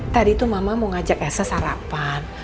tadi itu mama mau ngajak elsa sarapan